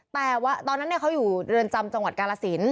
แต่ตอนนั้นเขาอยู่เรือนจำจังหวัดกาลสิน